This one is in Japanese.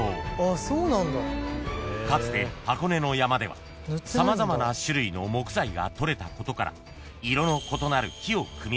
［かつて箱根の山では様々な種類の木材がとれたことから色の異なる木を組み合わせ